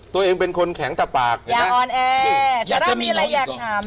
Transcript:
ตัวเองเป็นคนแข็งแต่ปากอยากออนแอร์แต่ถ้ามีอะไรอยากถาม